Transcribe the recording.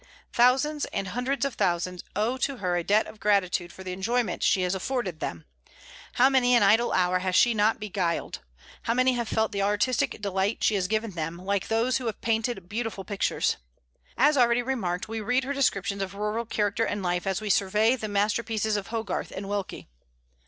Thousands, and hundreds of thousands, owe to her a debt of gratitude for the enjoyment she has afforded them. How many an idle hour has she not beguiled! How many have felt the artistic delight she has given them, like those who have painted beautiful pictures! As already remarked, we read her descriptions of rural character and life as we survey the masterpieces of Hogarth and Wilkie.